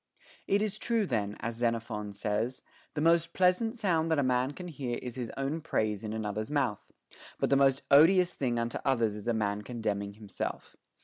It is true then, as Xenophon says, The most pleasant sound that a man can hear is his own praise in another's mouth ; but the most odious thing unto others is a man commending himself.